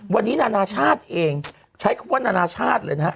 วันนี้นานาชาติเองใช้คำว่านานาชาติเลยนะฮะ